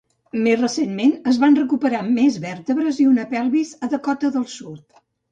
Més recentment, es van recuperar més vèrtebres i una pelvis a Dakota del Sud.